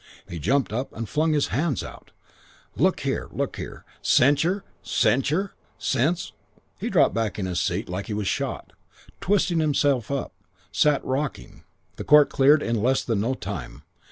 He jumped up and flung out his hands. 'Look here Look here Censure! Censure! Cens !' "Dropped back on his seat like he was shot. Twisted himself up. Sat rocking. "Court cleared in less than no time.